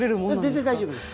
全然大丈夫です。